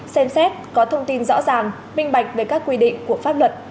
xem xét có thông tin rõ ràng minh bạch về các quy định của pháp luật